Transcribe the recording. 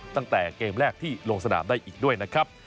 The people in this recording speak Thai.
ตั้งแต่เกมแรกที่ลงสนามได้อีกด้วยนะครับ